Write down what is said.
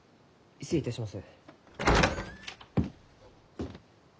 失礼いたします。